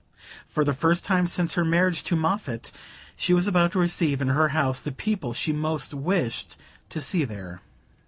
For the first time since her marriage to Moffatt she was about to receive in her house the people she most wished to see there.